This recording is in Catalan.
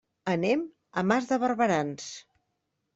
Anem a Mas de Barberans.